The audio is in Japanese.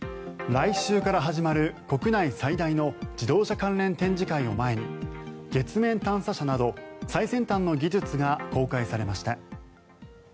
来週から始まる国内最大の自動車関連展示会を前に月面探査車など最先端の技術が公開されました。